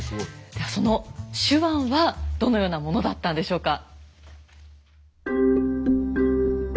ではその手腕はどのようなものだったんでしょうか。